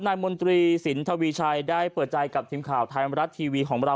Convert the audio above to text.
มนตรีสินทวีชัยได้เปิดใจกับทีมข่าวไทยมรัฐทีวีของเรา